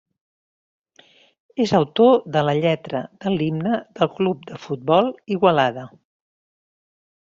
És autor de la lletra de l'himne del Club de Futbol Igualada.